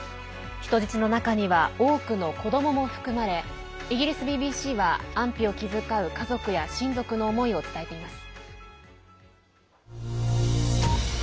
人質の中には多くの子どもも含まれイギリスＢＢＣは安否を気遣う家族や親族の思いを伝えています。